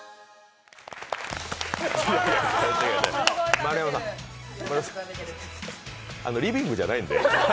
丸山さん、リビングじゃないんで。